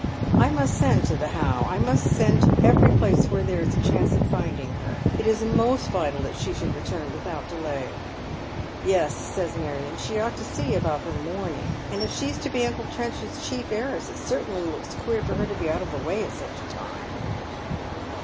" I must send to the How. I must send to every place where is a chance of finding her. It is most vital that she should re turn without delay." " Yes," says Marion. *' She ought to see about her mourning ; and if she is to be uncle Trenchard's chief heiress it certainly looks queer for her to be out of the way at such a tin\e."